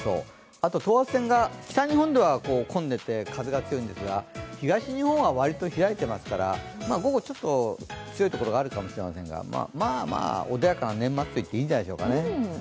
あと等圧線が北日本では混んでて、風が強いんですが東日本は割と開いていますから午後、ちょっと強い所があるかもしれませんがまあまあ、穏やかな年末と言っていいんじゃないでしょうかね。